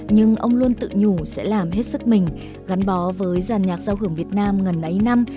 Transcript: nhưng ông luôn tự nhủ sẽ làm hết sức mình gắn bó với giàn nhạc giao hưởng việt nam ngần ấy năm